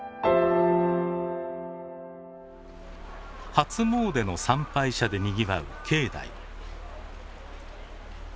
初詣の参拝者でにぎわう境内。